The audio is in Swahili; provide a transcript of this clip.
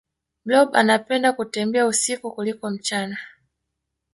blob anapenda kutembea usiku kuliko mchana